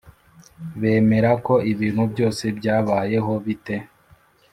bemera ko ibintu byose byabayeho bite?